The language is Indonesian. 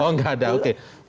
oh enggak ada oke